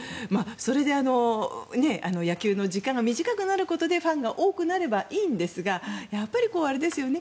それで野球の時間が短くなることでファンが多くなればいいんですがやっぱりあれですよね